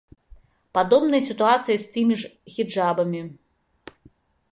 Падобная сітуацыя з тымі ж хіджабамі.